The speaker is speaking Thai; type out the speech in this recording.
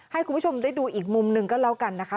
ให้คุณผู้ชมได้ดูอีกมุมหนึ่งก็แล้วกันนะคะ